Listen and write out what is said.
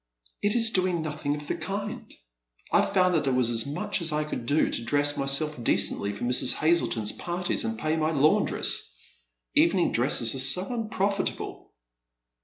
" It is doing nothing of the kind. I found that it was as much as I could do to dress myself decently for Mrs. Hazleton's partieg and pay my laundress. Evening dresses are so unprofitable."